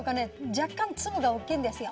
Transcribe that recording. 若干粒が大きいんですよ。